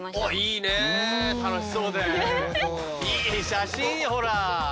いい写真ほら。